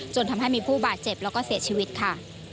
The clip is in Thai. จนทำให้มีผู้บาดเจ็บแล้วก็เสียชีวิตค่ะ